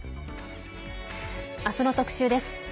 あすの特集です。